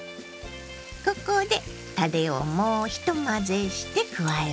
ここでたれをもう一混ぜして加えます。